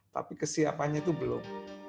tapi kesiapannya itu belum